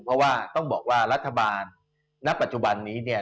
เพราะว่าต้องบอกว่ารัฐบาลณปัจจุบันนี้เนี่ย